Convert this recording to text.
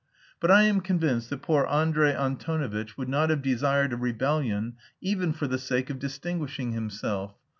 But I am convinced that poor Andrey Antonovitch would not have desired a rebellion even for the sake of distinguishing himself.